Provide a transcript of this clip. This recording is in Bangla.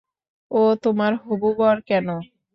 ও তোমার হবু বর কেন?